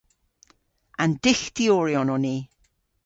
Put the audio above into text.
An dyghtyoryon on ni.